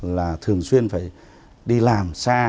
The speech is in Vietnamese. là thường xuyên phải đi làm xa